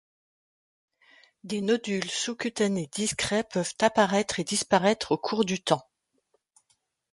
Des nodules sous-cutanés discrets peuvent apparaître et disparaître au cours du temps.